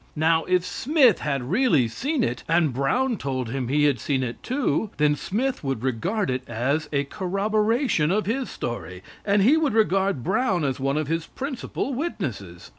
Now, if Smith had really seen it, and Brown told him he had seen it too, then Smith would regard it as a corroboration of his story, and he would regard Brown as one of his principal witnesses.